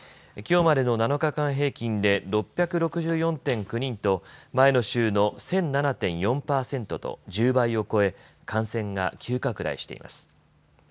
きょうまでの７日間平均で６６４．９人と前の週の１００７．４％と１０倍を超え感染が急拡大しています。